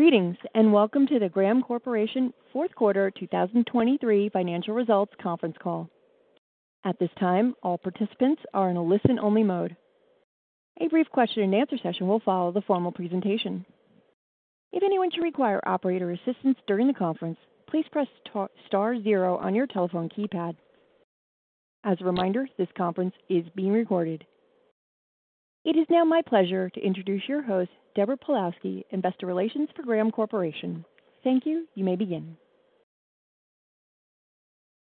Greetings, welcome to the Graham Corporation Fourth Quarter 2023 financial results conference call. At this time, all participants are in a listen-only mode. A brief question and answer session will follow the formal presentation. If anyone should require operator assistance during the conference, please press star zero on your telephone keypad. As a reminder, this conference is being recorded. It is now my pleasure to introduce your host, Deborah Pawlowski, Investor Relations for Graham Corporation. Thank you. You may begin.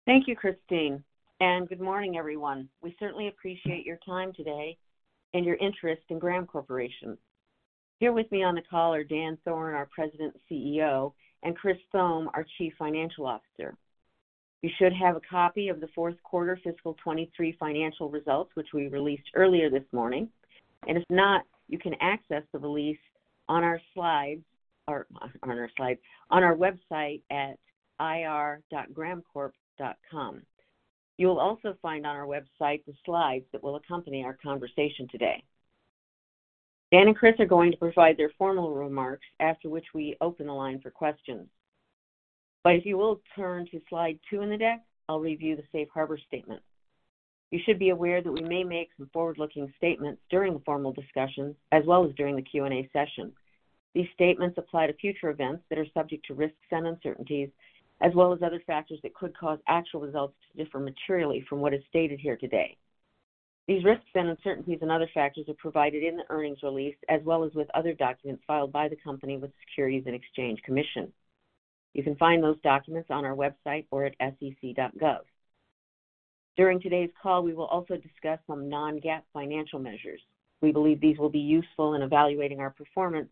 Thank you, Christine. Good morning, everyone. We certainly appreciate your time today and your interest in Graham Corporation. Here with me on the call are Dan Thoren, our President and CEO, and Chris Thome, our Chief Financial Officer. You should have a copy of the fourth quarter fiscal 2023 financial results, which we released earlier this morning, and if not, you can access the release on our slides, on our website at ir.grahamcorp.com. You will also find on our website the slides that will accompany our conversation today. Dan and Chris are going to provide their formal remarks, after which we open the line for questions. If you will turn to Slide 2 in the deck, I'll read you the safe harbor statement. You should be aware that we may make some forward-looking statements during the formal discussion as well as during the Q&A session. These statements apply to future events that are subject to risks and uncertainties, as well as other factors that could cause actual results to differ materially from what is stated here today. These risks and uncertainties and other factors are provided in the earnings release, as well as with other documents filed by the company with the Securities and Exchange Commission. You can find those documents on our website or at sec.gov. During today's call, we will also discuss some non-GAAP financial measures. We believe these will be useful in evaluating our performance.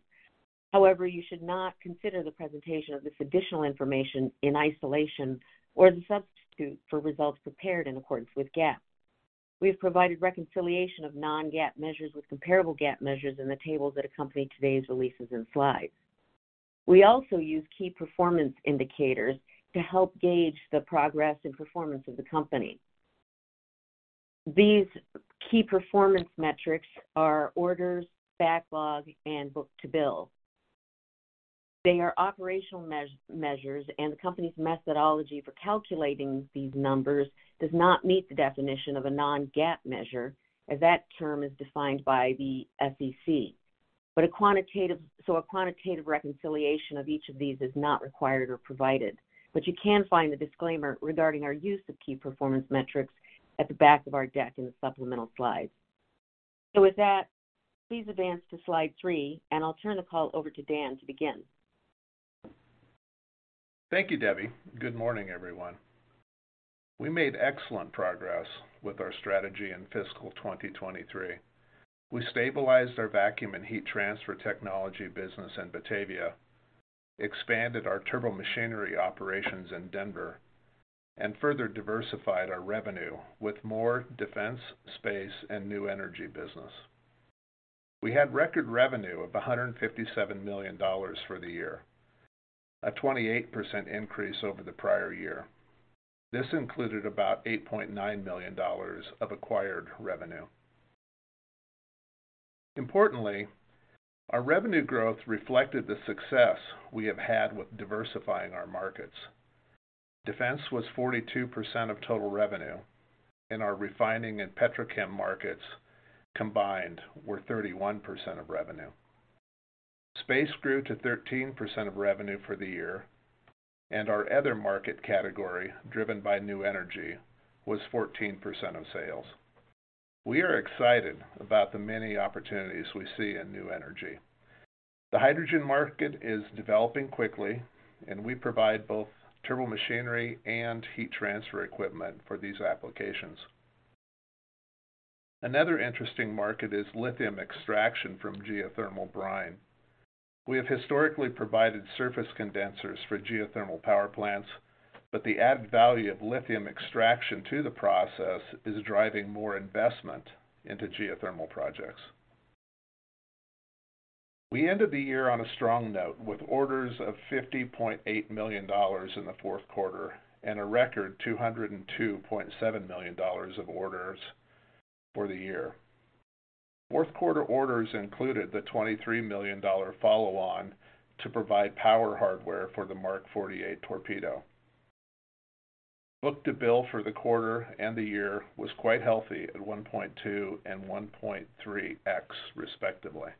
However, you should not consider the presentation of this additional information in isolation or as a substitute for results prepared in accordance with GAAP. We have provided reconciliation of non-GAAP measures with comparable GAAP measures in the tables that accompany today's releases and Slides. We also use key performance indicators to help gauge the progress and performance of the company. These key performance metrics are orders, backlog, and book-to-bill. They are operational measures, and the company's methodology for calculating these numbers does not meet the definition of a non-GAAP measure, as that term is defined by the SEC. A quantitative reconciliation of each of these is not required or provided. You can find the disclaimer regarding our use of key performance metrics at the back of our deck in the supplemental Slides. With that, please advance to Slide 3, and I'll turn the call over to Dan to begin. Thank you, Debbie. Good morning, everyone. We made excellent progress with our strategy in fiscal 2023. We stabilized our vacuum and heat transfer technology business in Batavia, expanded our turbomachinery operations in Denver, and further diversified our revenue with more defense, space, and new energy business. We had record revenue of $157 million for the year, a 28% increase over the prior year. This included about $8.9 million of acquired revenue. Our revenue growth reflected the success we have had with diversifying our markets. Defense was 42% of total revenue, our refining and petrochem markets combined were 31% of revenue. Space grew to 13% of revenue for the year, our other market category, driven by new energy, was 14% of sales. We are excited about the many opportunities we see in new energy. The hydrogen market is developing quickly, and we provide both turbomachinery and heat transfer equipment for these applications. Another interesting market is lithium extraction from geothermal brine. We have historically provided surface condensers for geothermal power plants, but the added value of lithium extraction to the process is driving more investment into geothermal projects. We ended the year on a strong note, with orders of $50.8 million in the fourth quarter and a record $202.7 million of orders for the year. Fourth quarter orders included the $23 million follow-on to provide power hardware for the Mark 48 torpedo. Book-to-bill for the quarter and the year was quite healthy at 1.2 and 1.3x, respectively.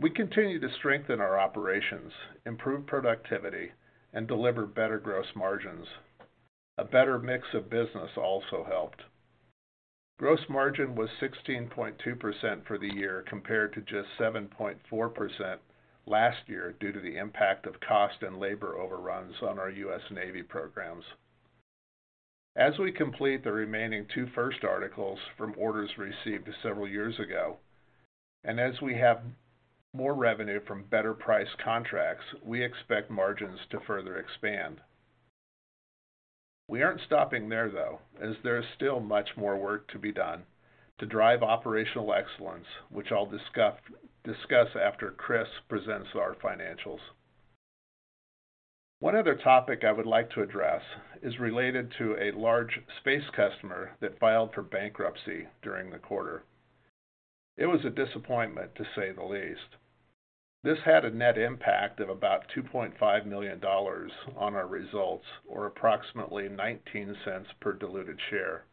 We continue to strengthen our operations, improve productivity, and deliver better gross margins. A better mix of business also helped. Gross margin was 16.2% for the year, compared to just 7.4% last year, due to the impact of cost and labor overruns on our U.S. Navy programs. As we complete the remaining two first articles from orders received several years ago, and as we have more revenue from better priced contracts, we expect margins to further expand. We aren't stopping there, though, as there is still much more work to be done to drive operational excellence, which I'll discuss after Chris presents our financials. One other topic I would like to address is related to a large space customer that filed for bankruptcy during the quarter. It was a disappointment, to say the least. This had a net impact of about $2.5 million on our results, or approximately $0.19 per diluted share.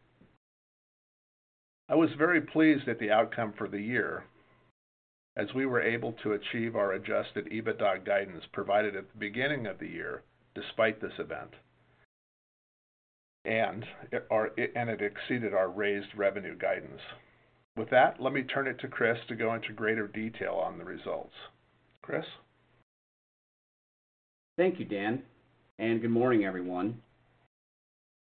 I was very pleased at the outcome for the year, as we were able to achieve our Adjusted EBITDA guidance provided at the beginning of the year, despite this event, and it exceeded our raised revenue guidance. With that, let me turn it to Chris to go into greater detail on the results. Chris? Thank you, Dan. Good morning, everyone.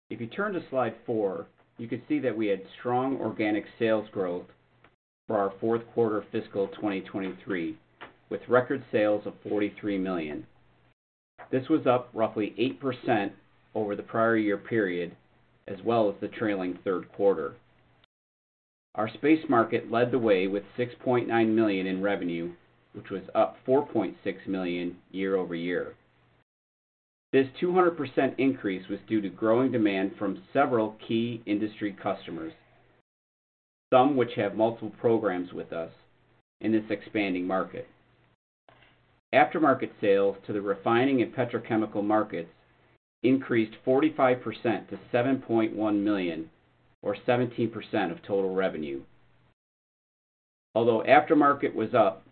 If you turn to Slide 4, you can see that we had strong organic sales growth for our fourth quarter fiscal 2023, with record sales of $43 million. This was up roughly 8% over the prior year period, as well as the trailing third quarter. Our space market led the way with $6.9 million in revenue, which was up $4.6 million year-over-year. This 200% increase was due to growing demand from several key industry customers, some which have multiple programs with us in this expanding market. Aftermarket sales to the refining and petrochemical markets increased 45% to $7.1 million, or 17% of total revenue. Although aftermarket was up,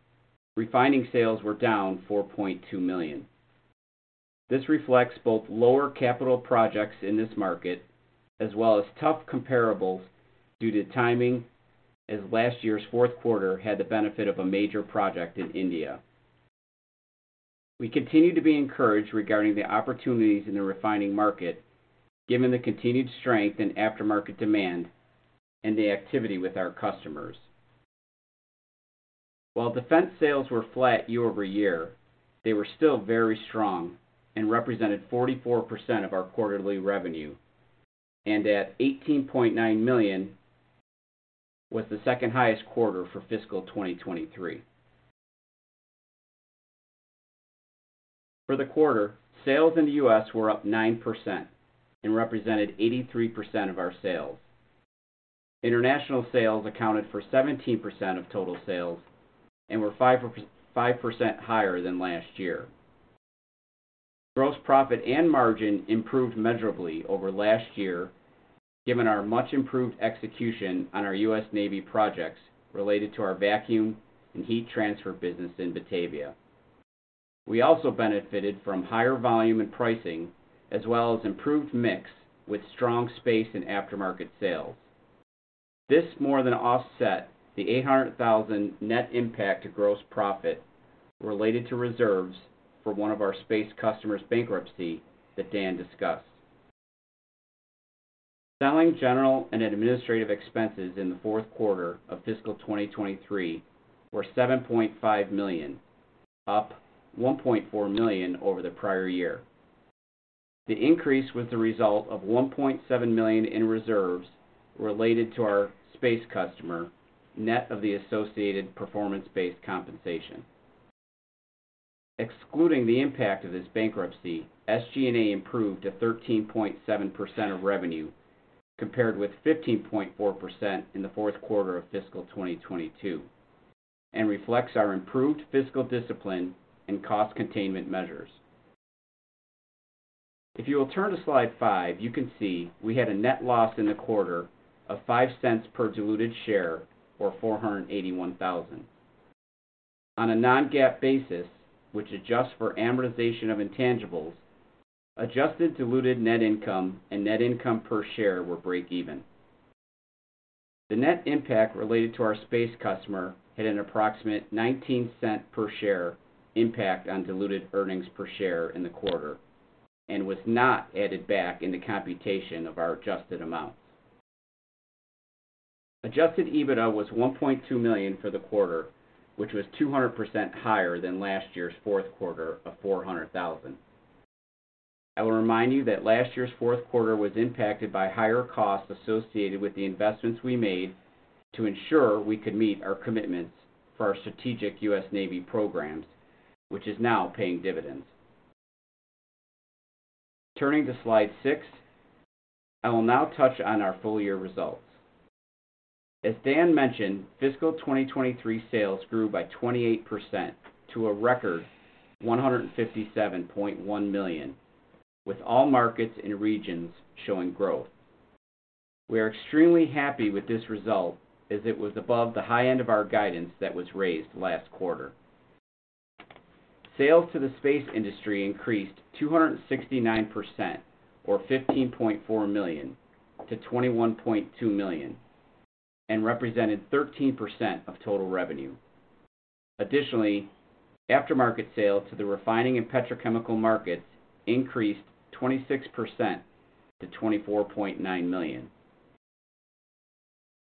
refining sales were down $4.2 million. This reflects both lower capital projects in this market as well as tough comparables due to timing, as last year's fourth quarter had the benefit of a major project in India. We continue to be encouraged regarding the opportunities in the refining market, given the continued strength in aftermarket demand and the activity with our customers. While defense sales were flat year-over-year, they were still very strong and represented 44% of our quarterly revenue, and at $18.9 million, was the second-highest quarter for fiscal 2023. For the quarter, sales in the U.S. were up 9% and represented 83% of our sales. International sales accounted for 17% of total sales and were 5.5% higher than last year. Gross profit and margin improved measurably over last year, given our much-improved execution on our U.S. Navy projects related to our vacuum and heat transfer business in Batavia. We also benefited from higher volume and pricing, as well as improved mix with strong space and aftermarket sales. This more than offset the $800,000 net impact to gross profit related to reserves for one of our space customers' bankruptcy that Dan discussed. Selling, general, and administrative expenses in the fourth quarter of fiscal 2023 were $7.5 million, up $1.4 million over the prior year. The increase was the result of $1.7 million in reserves related to our space customer, net of the associated performance-based compensation. Excluding the impact of this bankruptcy, SG&A improved to 13.7% of revenue, compared with 15.4% in the fourth quarter of fiscal 2022, and reflects our improved fiscal discipline and cost containment measures. If you will turn to Slide 5, you can see we had a net loss in the quarter of $0.05 per diluted share, or $481,000. On a non-GAAP basis, which adjusts for amortization of intangibles, adjusted diluted net income and net income per share were breakeven. The net impact related to our space customer had an approximate $0.19 per share impact on diluted earnings per share in the quarter and was not added back in the computation of our adjusted amounts. Adjusted EBITDA was $1.2 million for the quarter, which was 200% higher than last year's fourth quarter of $400,000. I will remind you that last year's fourth quarter was impacted by higher costs associated with the investments we made to ensure we could meet our commitments for our strategic U.S. Navy programs, which is now paying dividends. Turning to Slide 6, I will now touch on our full year results. As Dan mentioned, fiscal 2023 sales grew by 28% to a record $157.1 million, with all markets and regions showing growth. We are extremely happy with this result, as it was above the high end of our guidance that was raised last quarter. Sales to the space industry increased 269%, or $15.4 million, to $21.2 million, and represented 13% of total revenue. Additionally, aftermarket sales to the refining and petrochemical markets increased 26% to $24.9 million.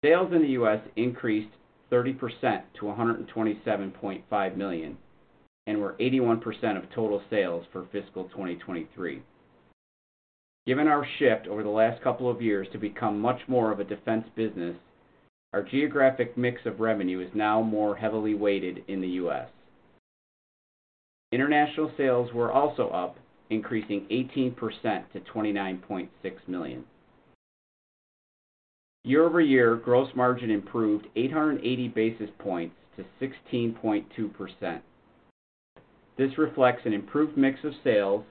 Sales in the U.S. increased 30% to $127.5 million and were 81% of total sales for fiscal 2023. Given our shift over the last couple of years to become much more of a defense business, our geographic mix of revenue is now more heavily weighted in the U.S. International sales were also up, increasing 18% to $29.6 million. Year-over-year, gross margin improved 880 basis points to 16.2%. This reflects an improved mix of sales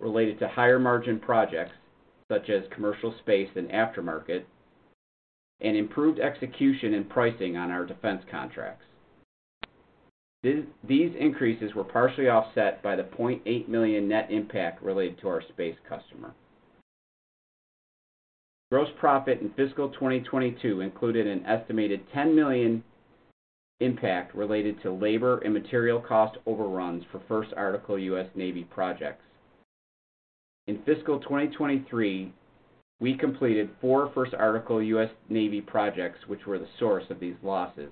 related to higher margin projects, such as commercial space and aftermarket, and improved execution and pricing on our defense contracts. These increases were partially offset by the $0.8 million net impact related to our space customer. Gross profit in fiscal 2022 included an estimated $10 million impact related to labor and material cost overruns for first article U.S. Navy projects. In fiscal 2023, we completed four first article U.S. Navy projects, which were the source of these losses,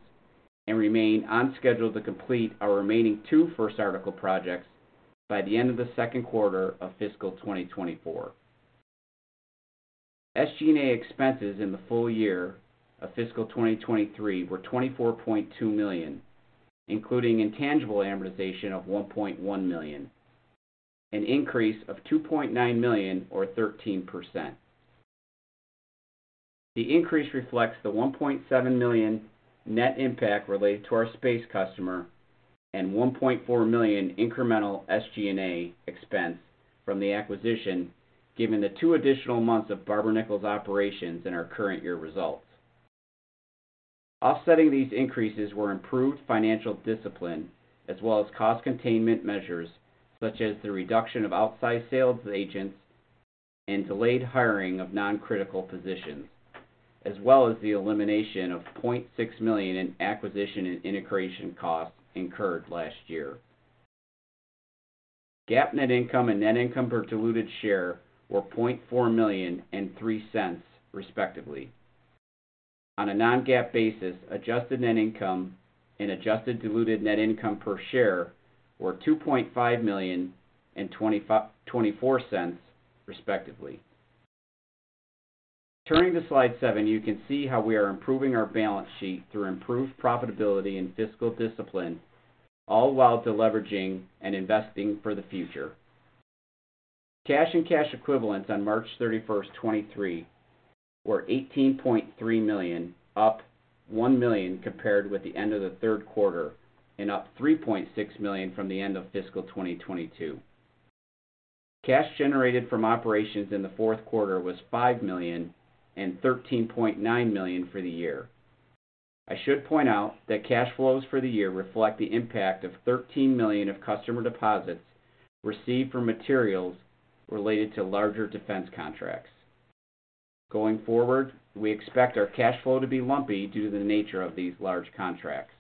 and remain on schedule to complete our remaining two first article projects by the end of the second quarter of fiscal 2024. SG&A expenses in the full year of fiscal 2023 were $24.2 million, including intangible amortization of $1.1 million, an increase of $2.9 million or 13%. The increase reflects the $1.7 million net impact related to our space customer and $1.4 million incremental SG&A expense from the acquisition, given the two additional months of Barber-Nichols operations in our current year results. Offsetting these increases were improved financial discipline, as well as cost containment measures, such as the reduction of outside sales agents and delayed hiring of non-critical positions, as well as the elimination of $0.6 million in acquisition and integration costs incurred last year. GAAP net income and net income per diluted share were $0.4 million and $0.03, respectively. On a non-GAAP basis, adjusted net income and adjusted diluted net income per share were $2.5 million and $0.24, respectively. Turning to Slide 7, you can see how we are improving our balance sheet through improved profitability and fiscal discipline, all while deleveraging and investing for the future. Cash and cash equivalents on March 31, 2023, were $18.3 million, up $1 million compared with the end of the third quarter, and up $3.6 million from the end of fiscal 2022. Cash generated from operations in the fourth quarter was $5 million and $13.9 million for the year. I should point out that cash flows for the year reflect the impact of $13 million of customer deposits received from materials related to larger defense contracts. Going forward, we expect our cash flow to be lumpy due to the nature of these large contracts.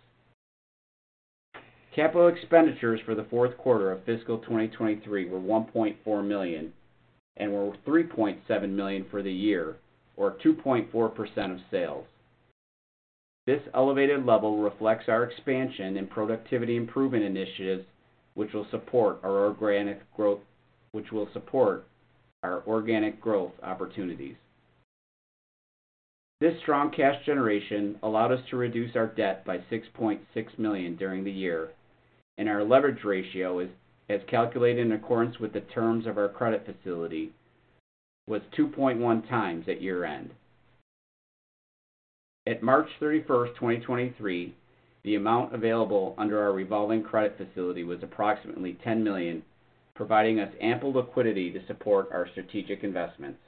Capital expenditures for the fourth quarter of fiscal 2023 were $1.4 million and were $3.7 million for the year, or 2.4% of sales. This elevated level reflects our expansion and productivity improvement initiatives, which will support our organic growth, which will support our organic growth opportunities. This strong cash generation allowed us to reduce our debt by $6.6 million during the year, our leverage ratio is, as calculated in accordance with the terms of our credit facility, was 2.1x at year-end. At March 31, 2023, the amount available under our revolving credit facility was approximately $10 million, providing us ample liquidity to support our strategic investments.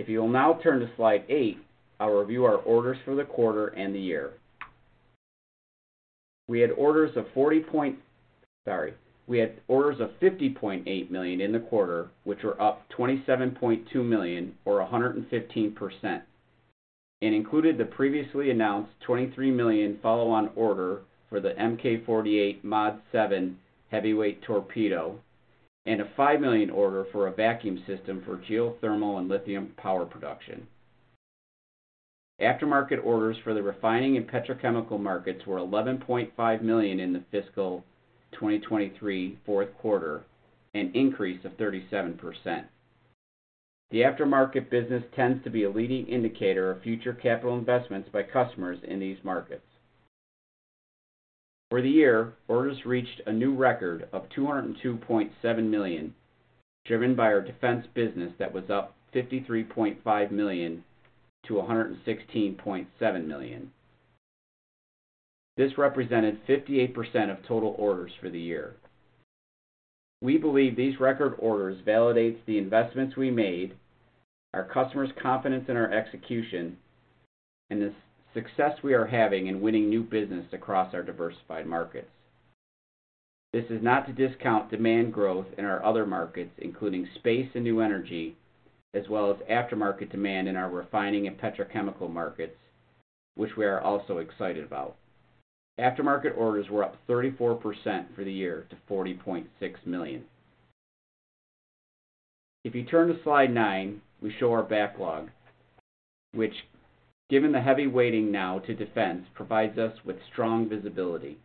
If you will now turn to Slide 8, I'll review our orders for the quarter and the year. We had orders of 40 point... Sorry. We had orders of $50.8 million in the quarter, which were up $27.2 million or 115%, included the previously announced $23 million follow-on order for the MK 48 Mod 7 Heavyweight Torpedo, and a $5 million order for a vacuum system for geothermal and lithium power production. Aftermarket orders for the refining and petrochemical markets were $11.5 million in the fiscal 2023 fourth quarter, an increase of 37%. The aftermarket business tends to be a leading indicator of future capital investments by customers in these markets. For the year, orders reached a new record of $202.7 million, driven by our defense business that was up $53.5 million to $116.7 million. This represented 58% of total orders for the year. We believe these record orders validates the investments we made, our customers' confidence in our execution, and the success we are having in winning new business across our diversified markets. This is not to discount demand growth in our other markets, including space and new energy, as well as aftermarket demand in our refining and petrochemical markets, which we are also excited about. Aftermarket orders were up 34% for the year to $40.6 million. If you turn to Slide 9, we show our backlog, which, given the heavy weighting now to defense, provides us with strong visibility.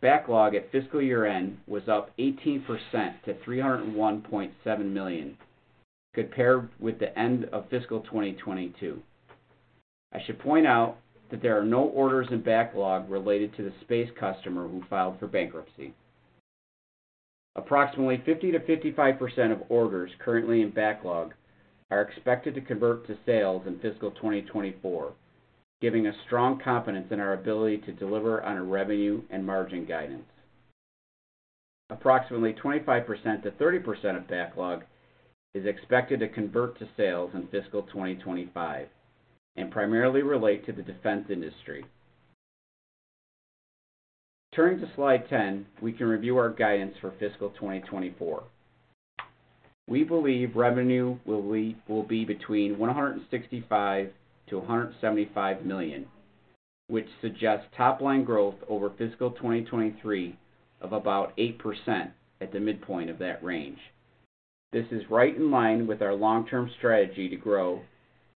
Backlog at fiscal year-end was up 18% to $301.7 million, compared with the end of fiscal 2022. I should point out that there are no orders in backlog related to the space customer who filed for bankruptcy. Approximately 50%-55% of orders currently in backlog are expected to convert to sales in fiscal 2024, giving us strong confidence in our ability to deliver on our revenue and margin guidance. Approximately 25%-30% of backlog is expected to convert to sales in fiscal 2025 and primarily relate to the defense industry. Turning to Slide 10, we can review our guidance for fiscal 2024. We believe revenue will be between $165 million-$175 million, which suggests top-line growth over fiscal 2023 of about 8% at the midpoint of that range. This is right in line with our long-term strategy to grow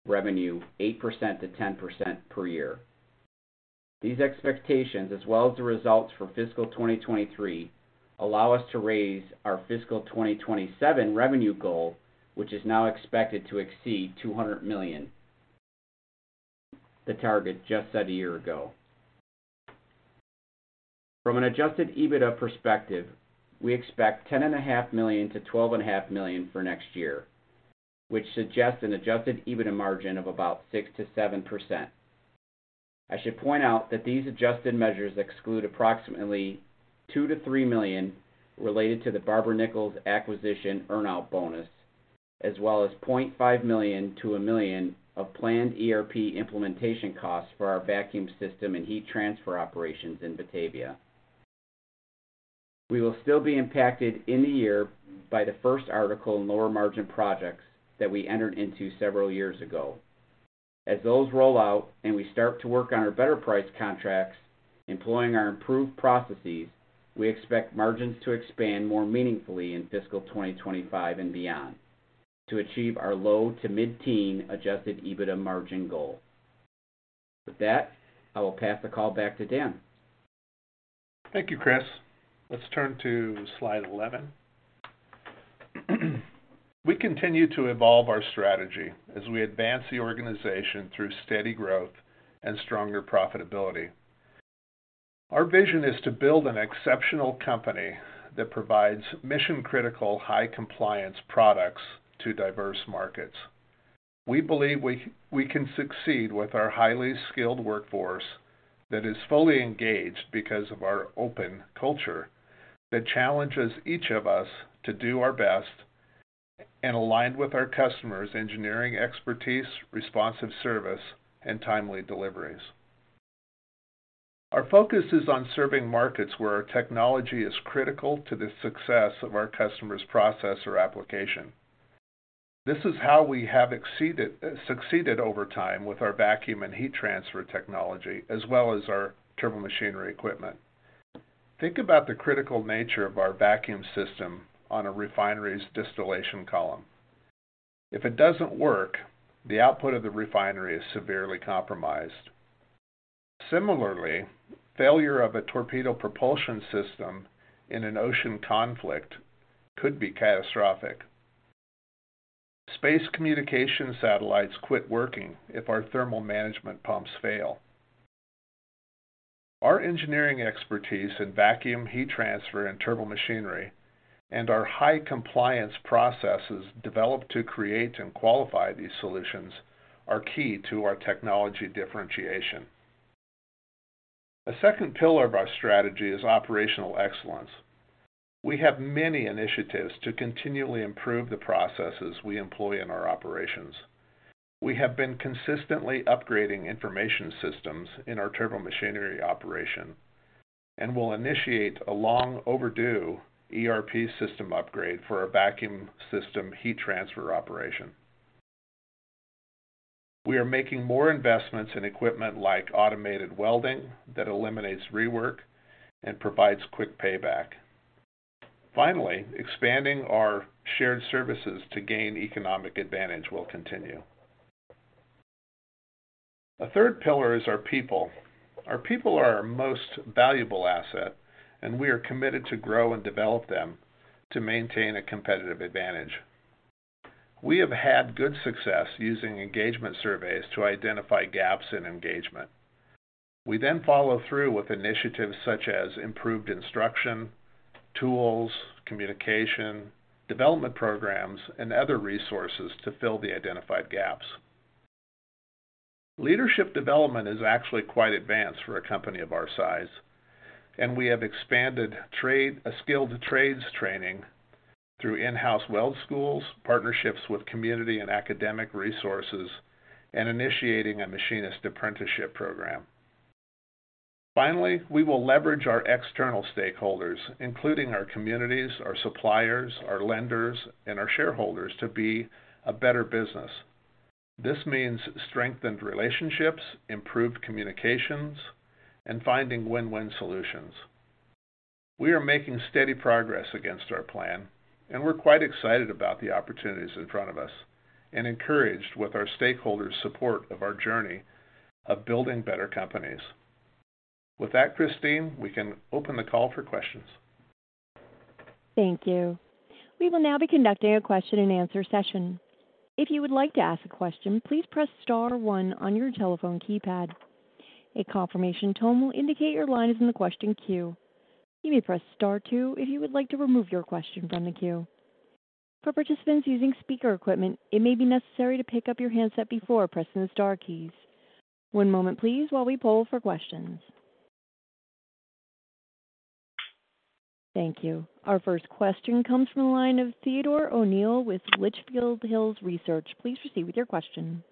revenue 8%-10% per year. These expectations, as well as the results for fiscal 2023, allow us to raise our fiscal 2027 revenue goal, which is now expected to exceed $200 million, the target just set a year ago. From an Adjusted EBITDA perspective, we expect $10.5 million-$12.5 million for next year, which suggests an Adjusted EBITDA margin of about 6%-7%. I should point out that these adjusted measures exclude approximately $2 million-$3 million related to the Barber-Nichols acquisition earn-out bonus, as well as $0.5 million-$1 million of planned ERP implementation costs for our vacuum system and heat transfer operations in Batavia. We will still be impacted in the year by the first article in lower margin projects that we entered into several years ago. As those roll out and we start to work on our better price contracts employing our improved processes, we expect margins to expand more meaningfully in fiscal 2025 and beyond to achieve our low to mid-teen Adjusted EBITDA margin goal. With that, I will pass the call back to Dan. Thank you, Chris. Let's turn to Slide 11. We continue to evolve our strategy as we advance the organization through steady growth and stronger profitability. Our vision is to build an exceptional company that provides mission-critical, high-compliance products to diverse markets. We believe we can succeed with our highly skilled workforce that is fully engaged because of our open culture that challenges each of us to do our best and aligned with our customers' engineering expertise, responsive service, and timely deliveries. Our focus is on serving markets where our technology is critical to the success of our customer's process or application. This is how we have succeeded over time with our vacuum and heat transfer technology, as well as our turbomachinery equipment. Think about the critical nature of our vacuum system on a refinery's distillation column. If it doesn't work, the output of the refinery is severely compromised. Similarly, failure of a torpedo propulsion system in an ocean conflict could be catastrophic. Space communication satellites quit working if our thermal management pumps fail. Our engineering expertise in vacuum, heat transfer, and turbomachinery, and our high compliance processes developed to create and qualify these solutions, are key to our technology differentiation. A second pillar of our strategy is operational excellence. We have many initiatives to continually improve the processes we employ in our operations. We have been consistently upgrading information systems in our turbomachinery operation and will initiate a long-overdue ERP system upgrade for our vacuum system heat transfer operation. We are making more investments in equipment like automated welding that eliminates rework and provides quick payback. Finally, expanding our shared services to gain economic advantage will continue. A third pillar is our people. Our people are our most valuable asset. We are committed to grow and develop them to maintain a competitive advantage. We have had good success using engagement surveys to identify gaps in engagement. We follow through with initiatives such as improved instruction, tools, communication, development programs, and other resources to fill the identified gaps. Leadership development is actually quite advanced for a company of our size. We have expanded skilled trades training through in-house weld schools, partnerships with community and academic resources, and initiating a machinist apprenticeship program. Finally, we will leverage our external stakeholders, including our communities, our suppliers, our lenders, and our shareholders, to be a better business. This means strengthened relationships, improved communications, and finding win-win solutions. We are making steady progress against our plan, and we're quite excited about the opportunities in front of us and encouraged with our stakeholders' support of our journey of building better companies. With that, Christine, we can open the call for questions. Thank you. We will now be conducting a question-and-answer session. If you would like to ask a question, please press star one on your telephone keypad. A confirmation tone will indicate your line is in the question queue. You may press star two if you would like to remove your question from the queue. For participants using speaker equipment, it may be necessary to pick up your handset before pressing the star keys. One moment please, while we poll for questions. Thank you. Our first question comes from the line of Theodore O'Neill with Litchfield Hills Research. Please proceed with your question.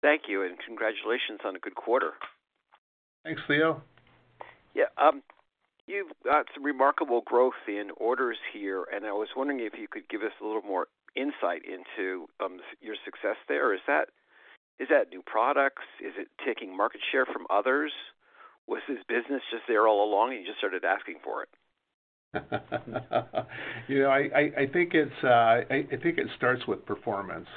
Thank you, congratulations on a good quarter. Thanks, Theo. You've got some remarkable growth in orders here. I was wondering if you could give us a little more insight into your success there. Is that new products? Is it taking market share from others? Was this business just there all along, you just started asking for it? You know, I think it's, I think it starts with performance.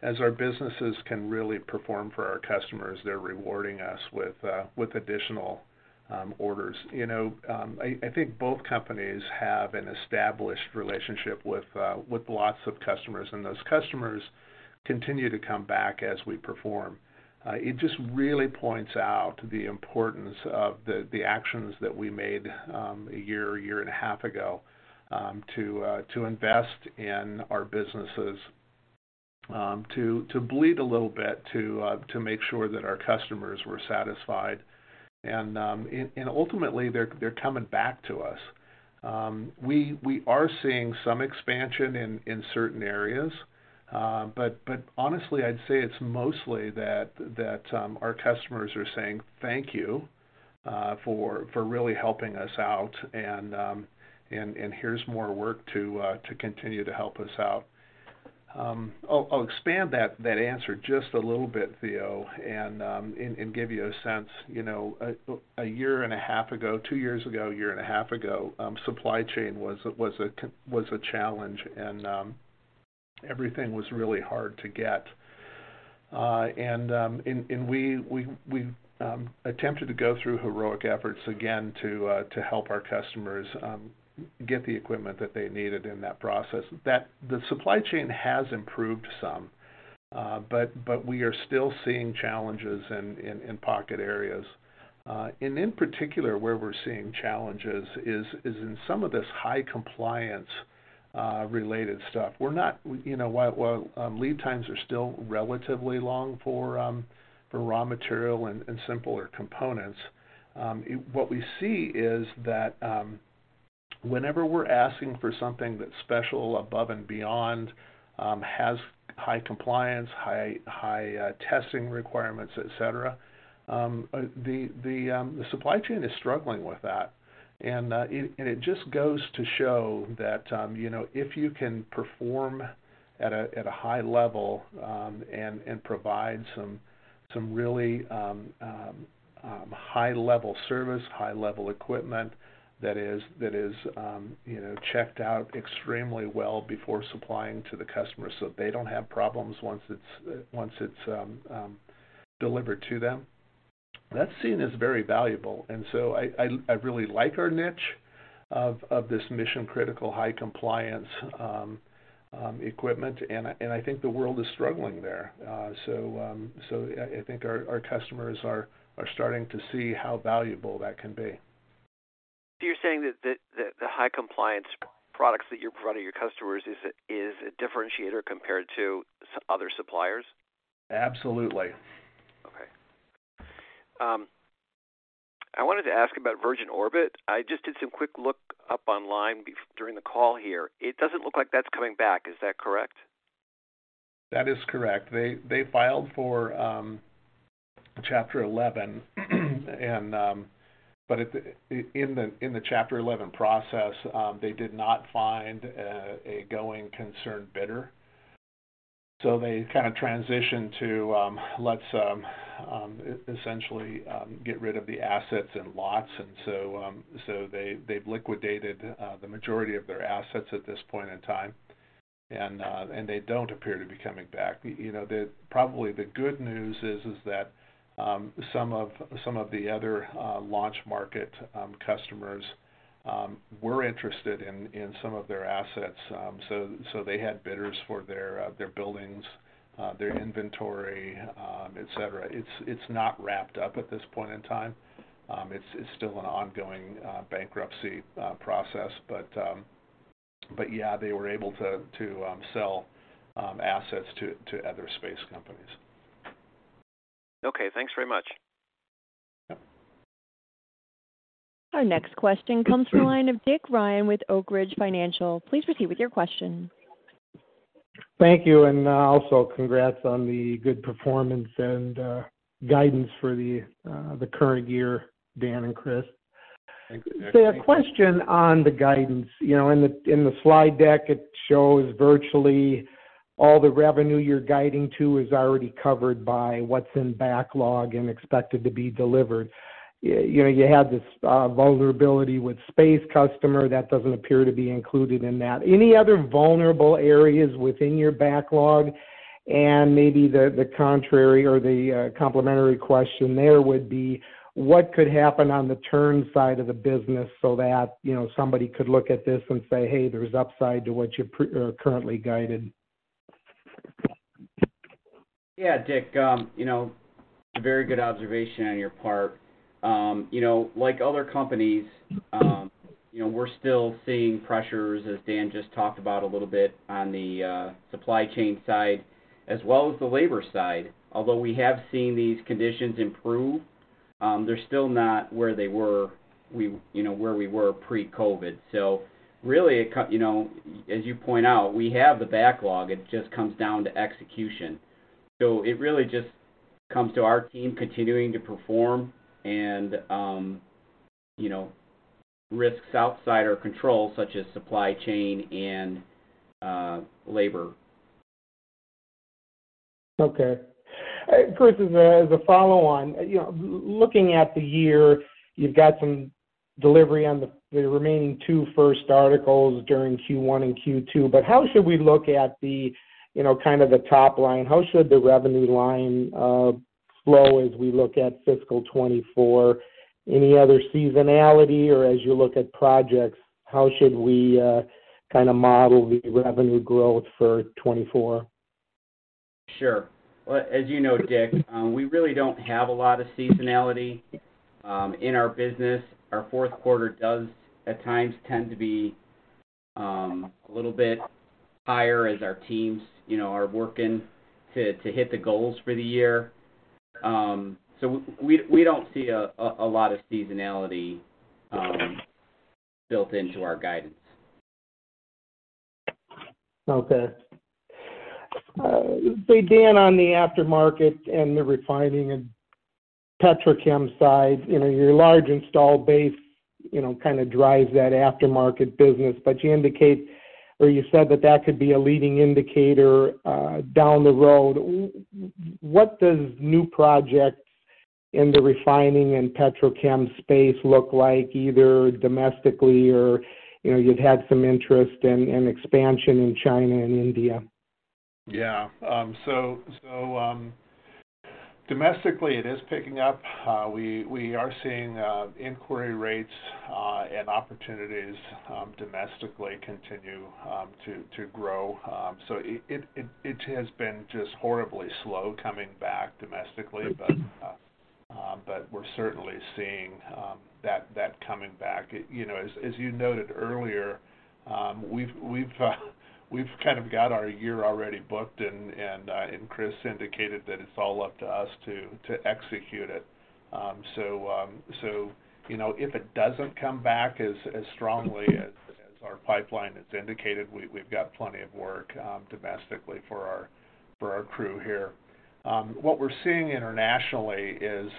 As our businesses can really perform for our customers, they're rewarding us with additional orders. You know, I think both companies have an established relationship with lots of customers, and those customers continue to come back as we perform. It just really points out the importance of the actions that we made a year and a half ago to invest in our businesses, to bleed a little bit, to make sure that our customers were satisfied. Ultimately, they're coming back to us. We are seeing some expansion in certain areas. Honestly, I'd say it's mostly that our customers are saying, "Thank you, for really helping us out, and here's more work to continue to help us out." I'll expand that answer just a little bit, Theo, and give you a sense. You know, a year and a half ago, two years ago, a year and a half ago, supply chain was a challenge, and everything was really hard to get. We attempted to go through heroic efforts again to help our customers get the equipment that they needed in that process. That the supply chain has improved some, but we are still seeing challenges in pocket areas. In particular, where we're seeing challenges is in some of this high compliance related stuff. You know, while lead times are still relatively long for raw material and simpler components, what we see is that whenever we're asking for something that's special, above and beyond, has high compliance, high testing requirements, et cetera, the supply chain is struggling with that. It just goes to show that, you know, if you can perform at a high level and provide some really high-level service, high-level equipment that is, you know, checked out extremely well before supplying to the customer, so they don't have problems once it's delivered to them. That's seen as very valuable. I really like our niche of this mission-critical, high compliance equipment, and I think the world is struggling there. I think our customers are starting to see how valuable that can be. You're saying that the high compliance products that you're providing your customers is a differentiator compared to other suppliers? Absolutely. Okay. I wanted to ask about Virgin Orbit. I just did some quick look up online during the call here. It doesn't look like that's coming back. Is that correct? That is correct. They filed for Chapter 11. In the Chapter 11 process, they did not find a going concern bidder. They kind of transitioned to let's essentially get rid of the assets and lots. They've liquidated the majority of their assets at this point in time, and they don't appear to be coming back. You know, probably the good news is that some of the other launch market customers were interested in some of their assets. They had bidders for their buildings, their inventory, et cetera. It's not wrapped up at this point in time. It's still an ongoing bankruptcy process. Yeah, they were able to sell assets to other space companies. Okay, thanks very much. Yeah. Our next question comes from the line of Richard Ryan with Oak Ridge Financial. Please proceed with your question. Thank you, and, also congrats on the good performance and, guidance for the current year, Dan and Chris. Thanks, Richard. A question on the guidance. You know, in the Slide deck, it shows all the revenue you're guiding to is already covered by what's in backlog and expected to be delivered. You know, you had this vulnerability with space customer, that doesn't appear to be included in that. Any other vulnerable areas within your backlog? Maybe the contrary or the complementary question there would be: What could happen on the turn side of the business so that, you know, somebody could look at this and say, "Hey, there's upside to what you're currently guided? Yeah, Richard, you know, very good observation on your part. You know, like other companies, you know, we're still seeing pressures, as Dan just talked about a little bit, on the supply chain side as well as the labor side. Although we have seen these conditions improve, they're still not where they were, you know, where we were pre-COVID. Really, you know, as you point out, we have the backlog, it just comes down to execution. It really just comes to our team continuing to perform and, you know, risks outside our control, such as supply chain and labor. Okay. Chris, as a, as a follow on, you know, looking at the year, you've got some delivery on the remaining two first articles during Q1 and Q2. How should we look at the, you know, kind of the top line? How should the revenue line flow as we look at fiscal 2024? Any other seasonality, or as you look at projects, how should we kind of model the revenue growth for 2024? Sure. Well, as you know, Richard, we really don't have a lot of seasonality in our business. Our fourth quarter does, at times, tend to be a little bit higher as our teams, you know, are working to hit the goals for the year. We don't see a lot of seasonality built into our guidance. Dan, on the aftermarket and the refining and petrochem side, you know, your large installed base, you know, kind of drives that aftermarket business, but you indicate, or you said that that could be a leading indicator down the road. What does new projects in the refining and petrochem space look like, either domestically or, you know, you've had some interest in expansion in China and India? Yeah. Domestically, it is picking up. We are seeing inquiry rates and opportunities domestically continue to grow. It has been just horribly slow coming back domestically, but we're certainly seeing that coming back. You know, as you noted earlier, we've kind of got our year already booked, and Chris indicated that it's all up to us to execute it. You know, if it doesn't come back as strongly as our pipeline has indicated, we've got plenty of work domestically for our crew here. What we're seeing internationally is,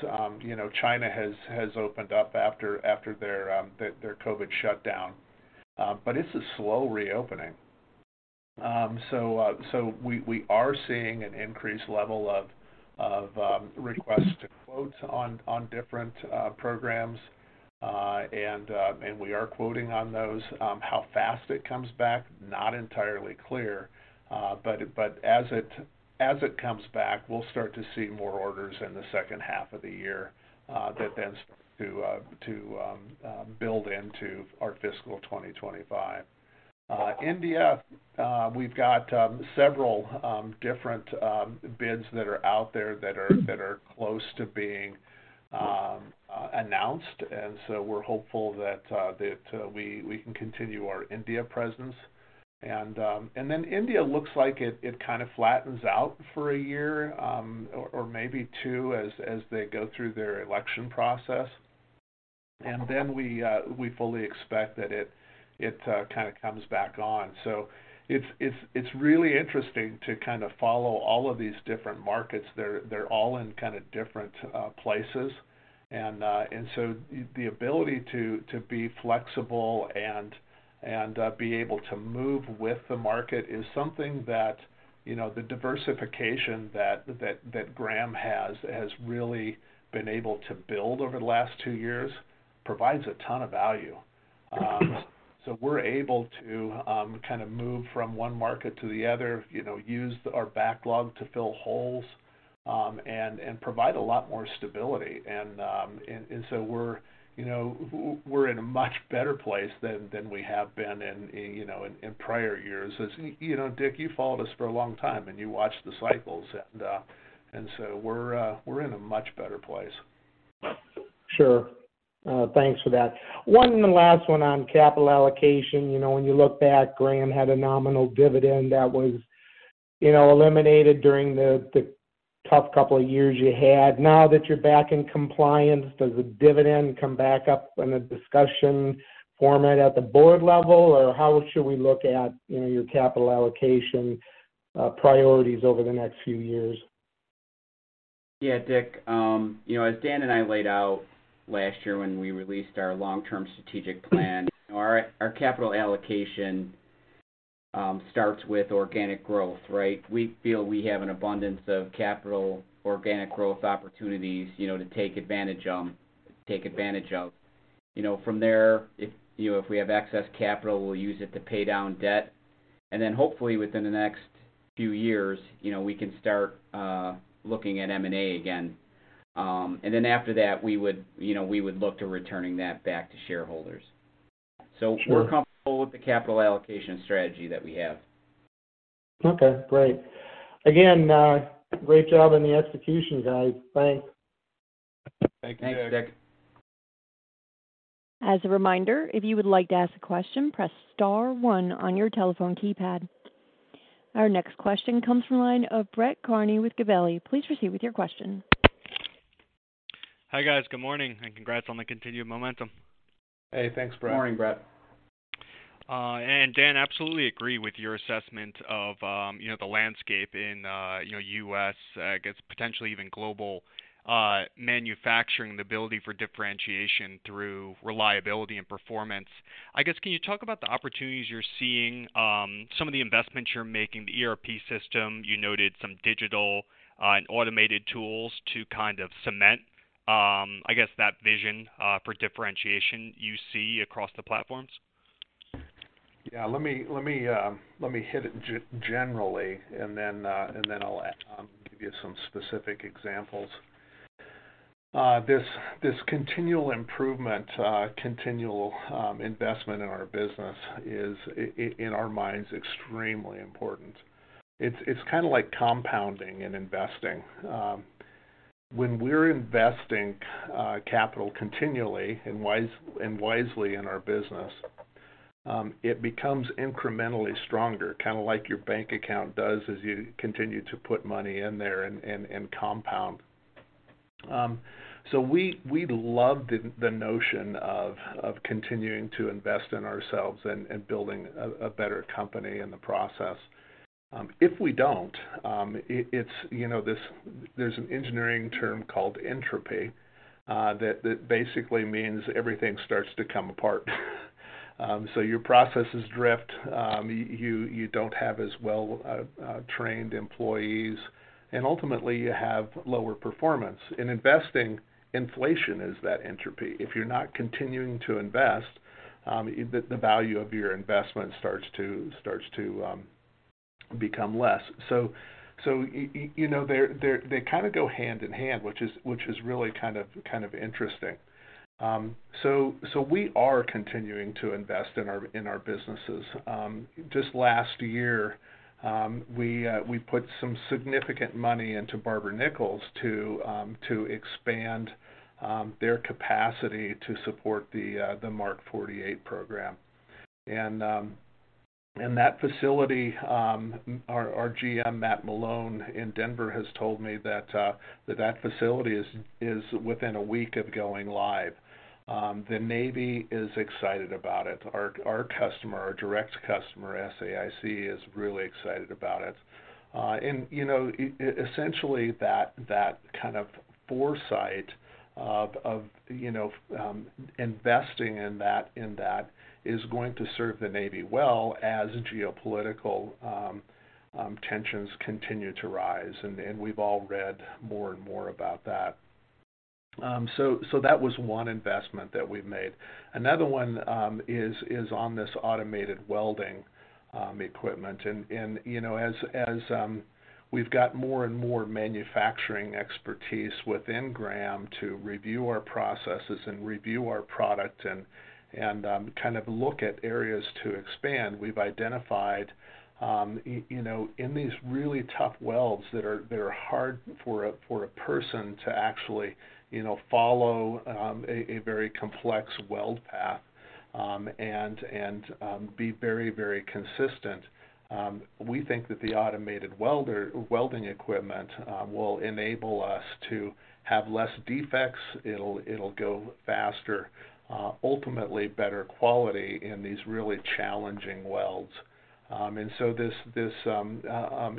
you know, China has opened up after their COVID shutdown, but it's a slow reopening. We are seeing an increased level of requests to quotes on different programs. We are quoting on those. How fast it comes back, not entirely clear, but as it comes back, we'll start to see more orders in the second half of the year that then starts to build into our fiscal 2025. India, we've got several different bids that are out there that are close to being announced, we're hopeful that we can continue our India presence. India looks like it kind of flattens out for a year or maybe two, as they go through their election process. Then we fully expect that it kind of comes back on. It's really interesting to kind of follow all of these different markets. They're all in kind of different places. So the ability to be flexible and be able to move with the market is something that, you know, the diversification that Graham has really been able to build over the last two years, provides a ton of value. We're able to kind of move from one market to the other, you know, use our backlog to fill holes, and provide a lot more stability. So we're, you know, we're in a much better place than we have been in, you know, prior years. As you know, Richard, you followed us for a long time, and you watched the cycles, and so we're in a much better place. Sure. Thanks for that. One, the last one on capital allocation. You know, when you look back, Graham had a nominal dividend that was, you know, eliminated during the tough couple of years you had. Now that you're back in compliance, does the dividend come back up in the discussion format at the board level, or how should we look at, you know, your capital allocation priorities over the next few years?... Yeah, Richard, you know, as Dan and I laid out last year when we released our long-term strategic plan, our capital allocation, starts with organic growth, right? We feel we have an abundance of capital organic growth opportunities, you know, to take advantage, take advantage of. You know, from there, if, you know, if we have excess capital, we'll use it to pay down debt. Hopefully, within the next few years, you know, we can start looking at M&A again. After that, we would, you know, we would look to returning that back to shareholders. Sure. we're comfortable with the capital allocation strategy that we have. Okay, great. Again, great job on the execution, guys. Thanks. Thank you, Richard. Thanks, Richard. As a reminder, if you would like to ask a question, press star one on your telephone keypad. Our next question comes from the line of Brett Kearney with Gabelli. Please proceed with your question. Hi, guys. Good morning, and congrats on the continued momentum. Hey, thanks, Brett. Morning, Brett. Dan, absolutely agree with your assessment of, you know, the landscape in, you know, U.S., I guess, potentially even global manufacturing, the ability for differentiation through reliability and performance. I guess, can you talk about the opportunities you're seeing, some of the investments you're making, the ERP system, you noted some digital, and automated tools to kind of cement, I guess, that vision, for differentiation you see across the platforms? Yeah, let me hit it generally, and then I'll give you some specific examples. This continual improvement, continual investment in our business is in our minds, extremely important. It's kind of like compounding and investing. When we're investing capital continually and wisely in our business, it becomes incrementally stronger, kind of like your bank account does as you continue to put money in there and compound. We love the notion of continuing to invest in ourselves and building a better company in the process. If we don't, it's, you know, there's an engineering term called entropy that basically means everything starts to come apart. Your processes drift, you don't have as well trained employees, and ultimately, you have lower performance. In investing, inflation is that entropy. If you're not continuing to invest, the value of your investment starts to become less. You know, they kind of go hand in hand, which is really kind of interesting. We are continuing to invest in our businesses. Just last year, we put some significant money into Barber-Nichols to expand their capacity to support the Mark 48 program. That facility, our GM, Matt Malone in Denver, has told me that that facility is within a week of going live. The Navy is excited about it. Our customer, our direct customer, SAIC, is really excited about it. You know, essentially, that kind of foresight of, you know, investing in that, is going to serve the Navy well as geopolitical tensions continue to rise, and we've all read more and more about that. That was one investment that we've made. Another one is on this automated welding equipment. You know, as we've got more and more manufacturing expertise within Graham to review our processes and review our product and kind of look at areas to expand, we've identified, you know, in these really tough welds that are hard for a person to actually, you know, follow a very complex weld path and be very, very consistent, we think that the automated welding equipment will enable us to have less defects. It'll go faster, ultimately better quality in these really challenging welds. This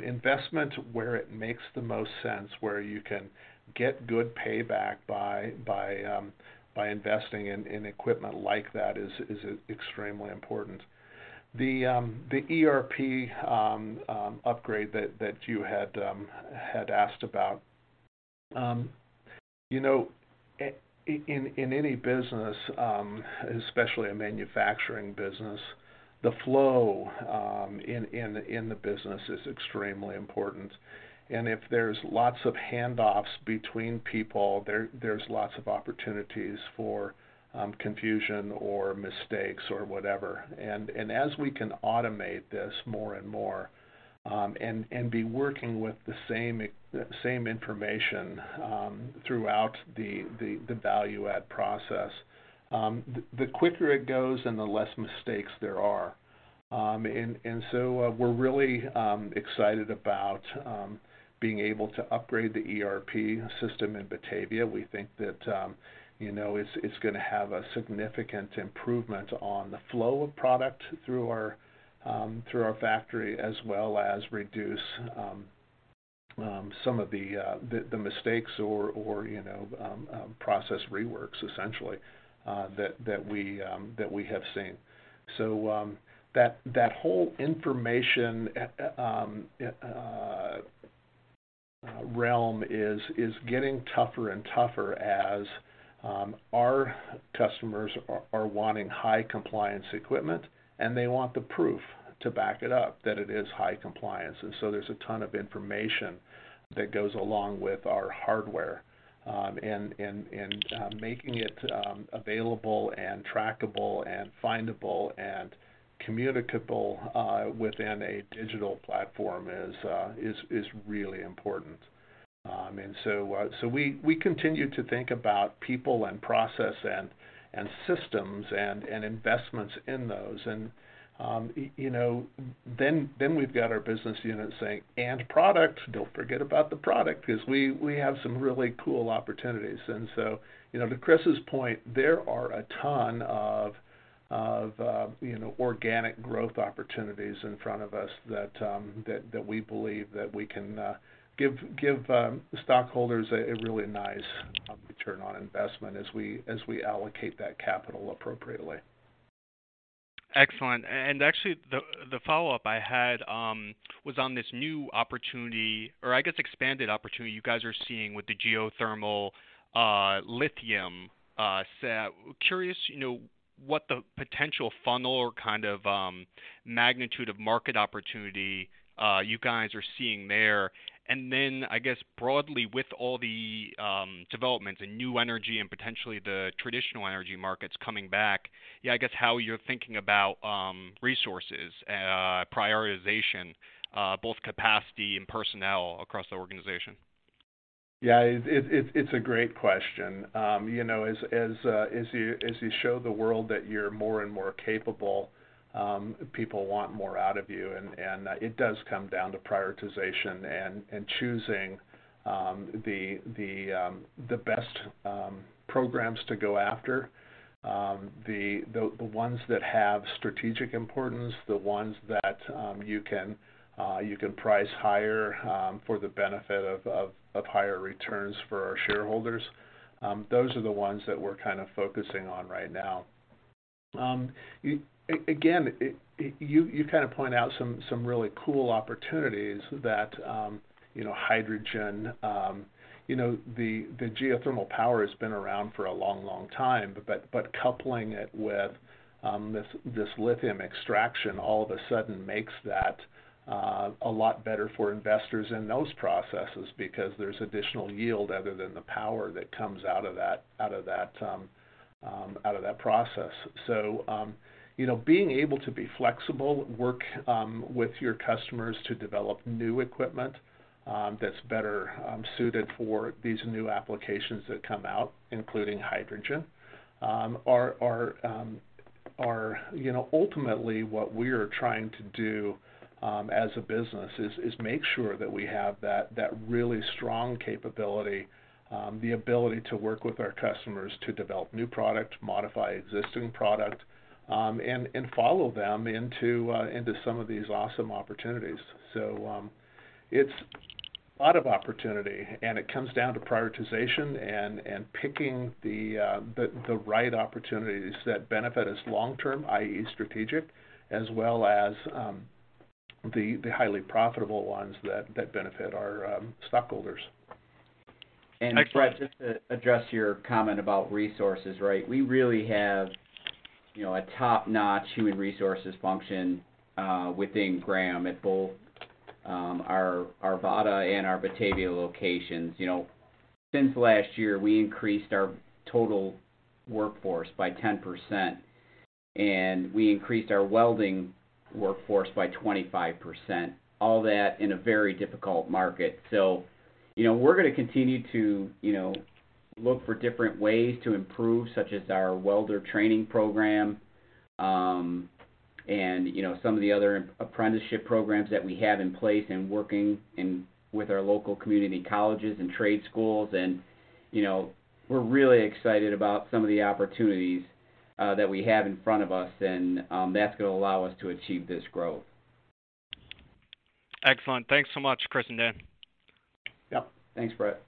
investment where it makes the most sense, where you can get good payback by investing in equipment like that is extremely important. The ERP upgrade that you had asked about, you know, in any business, especially a manufacturing business, the flow in the business is extremely important. If there's lots of handoffs between people, there's lots of opportunities for confusion or mistakes or whatever. As we can automate this more and more, and be working with the same information throughout the value add process, the quicker it goes and the less mistakes there are. We're really excited about being able to upgrade the ERP system in Batavia. We think that, you know, it's gonna have a significant improvement on the flow of product through our factory, as well as reduce. some of the mistakes or, you know, process reworks essentially, that we have seen. That whole information realm is getting tougher and tougher as our customers are wanting high compliance equipment, and they want the proof to back it up, that it is high compliance. There's a ton of information that goes along with our hardware, and making it available and trackable and findable and communicable within a digital platform is really important. We continue to think about people and process and systems and investments in those. You know, then we've got our business unit saying, "And product, don't forget about the product," 'cause we have some really cool opportunities. You know, to Chris's point, there are a ton of, you know, organic growth opportunities in front of us that we believe that we can give stockholders a really nice return on investment as we allocate that capital appropriately. Excellent. Actually, the follow-up I had was on this new opportunity, or I guess expanded opportunity you guys are seeing with the geothermal lithium set. Curious, you know, what the potential funnel or kind of magnitude of market opportunity you guys are seeing there? Then, I guess, broadly, with all the developments in new energy and potentially the traditional energy markets coming back, yeah, I guess how you're thinking about resources, prioritization, both capacity and personnel across the organization. It's a great question. You know, as you show the world that you're more and more capable, people want more out of you, and it does come down to prioritization and choosing the best programs to go after. The ones that have strategic importance, the ones that you can price higher, for the benefit of higher returns for our shareholders, those are the ones that we're kind of focusing on right now. Again, you kind of point out some really cool opportunities that, you know, hydrogen... You know, the geothermal power has been around for a long, long time, but coupling it with this lithium extraction all of a sudden makes that a lot better for investors in those processes because there's additional yield other than the power that comes out of that, out of that process. You know, being able to be flexible, work, with your customers to develop new equipment, that's better, suited for these new applications that come out, including hydrogen, are. You know, ultimately, what we are trying to do, as a business is make sure that we have that really strong capability, the ability to work with our customers to develop new product, modify existing product, and follow them into some of these awesome opportunities. It's a lot of opportunity, and it comes down to prioritization and picking the right opportunities that benefit us long term, i.e., strategic, as well as, the highly profitable ones that benefit our stockholders. Excellent. Brett, just to address your comment about resources, right? We really have, you know, a top-notch human resources function within Graham at both our Arvada and our Batavia locations. You know, since last year, we increased our total workforce by 10%, and we increased our welding workforce by 25%, all that in a very difficult market. You know, we're gonna continue to, you know, look for different ways to improve, such as our welder training program, and, you know, some of the other apprenticeship programs that we have in place and working in with our local community colleges and trade schools. You know, we're really excited about some of the opportunities that we have in front of us, and that's gonna allow us to achieve this growth. Excellent. Thanks so much, Chris and Dan. Yep. Thanks, Brett.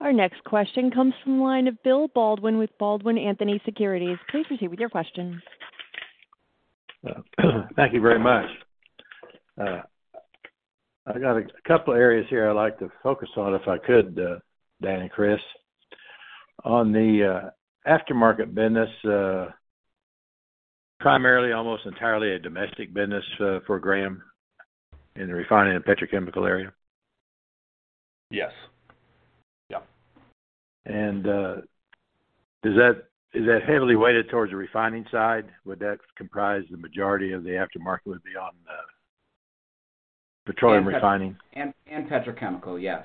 Our next question comes from the line of Bill Baldwin with Baldwin Anthony Securities. Please proceed with your questions. Thank you very much. I've got a couple areas here I'd like to focus on, if I could, Dan and Chris. On the aftermarket business, primarily, almost entirely a domestic business, for Graham in the refining and petrochemical area? Yes. Yeah. Is that heavily weighted towards the refining side? Would that comprise the majority of the aftermarket, would be on the petroleum refining? Petrochemical, yes.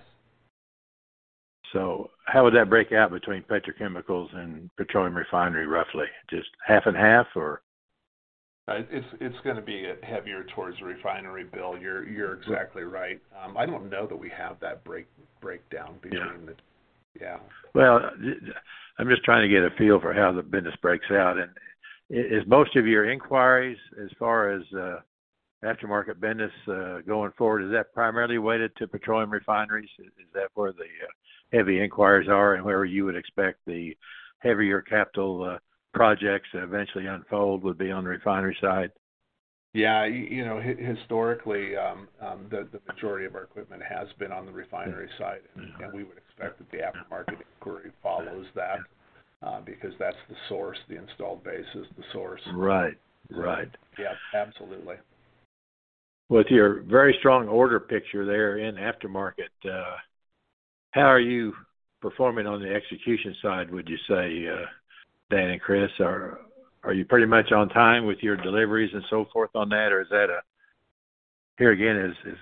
How would that break out between petrochemicals and petroleum refinery, roughly? Just half and half, or? It's gonna be heavier towards the refinery, Bill. You're exactly right. I don't know that we have that breakdown between the. Yeah. Yeah. Well, the, I'm just trying to get a feel for how the business breaks out, and is most of your inquiries as far as aftermarket business going forward, is that primarily weighted to petroleum refineries? Is that where the heavy inquiries are, and where you would expect the heavier capital projects that eventually unfold would be on the refinery side? Yeah, you know, historically, the majority of our equipment has been on the refinery side. Uh-huh. We would expect that the aftermarket inquiry follows that, because that's the source, the installed base is the source. Right. Right. Yeah, absolutely. With your very strong order picture there in aftermarket, how are you performing on the execution side, would you say, Dan and Chris? Are you pretty much on time with your deliveries and so forth on that? Or here again, is